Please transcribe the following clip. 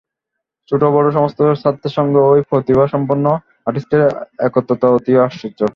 ছোটো বড়ো সমস্ত ছাত্রের সঙ্গে এই প্রতিভাসম্পন্ন আর্টিস্টের একাত্মকতা অতি আশ্চর্য।